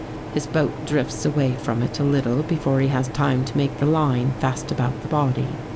His boat drifts away from it a little before he has time to make the line fast about the body.